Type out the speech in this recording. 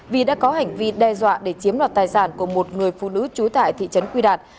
vì đã có hành vi đe dọa để chiếm đoạt tài sản của một người phụ nữ trú tại thị trấn quy đạt